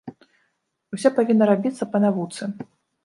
Усё павінна рабіцца па навуцы.